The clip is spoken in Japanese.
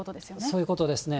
そういうことですね。